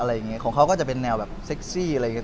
อะไรอย่างนี้ของเขาก็จะเป็นแนวแบบเซ็กซี่อะไรอย่างนี้